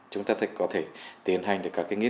chúng ta có thể tiến hành được các nghiên cứu